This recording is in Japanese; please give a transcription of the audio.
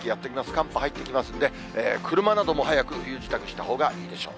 寒波入ってきますんで、車なども早く冬支度したほうがいいでしょう。